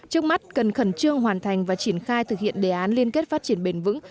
trước mắt cần khẩn trương hoàn thành và triển khai thực hiện đề án liên kết phát triển bền vững